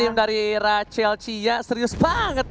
yang dari era chelsea ya serius banget